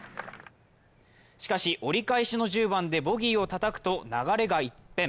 しかし、折り返しの１０番でボギーをたたくと、流れが一変。